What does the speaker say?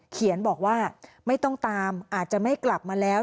เขียนบอกว่าไม่ต้องตามอาจจะไม่กลับมาแล้ว